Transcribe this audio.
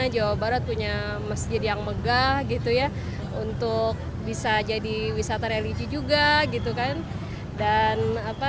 jawa barat punya masjid yang megah gitu ya untuk bisa jadi wisata religi juga gitu kan dan apa